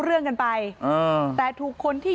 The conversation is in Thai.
เมื่อเวลาอันดับ